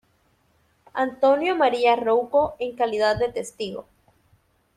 Antonio María Rouco en calidad de testigo.